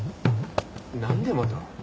何でまた！？